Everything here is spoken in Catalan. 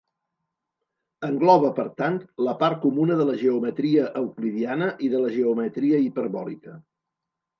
Engloba, per tant, la part comuna de la geometria euclidiana i de la geometria hiperbòlica.